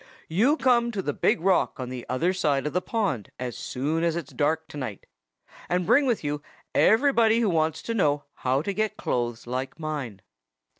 "You come to the big rock on the other side of the pond as soon as it's dark to night; and bring with you everybody who wants to know how to get clothes like mine.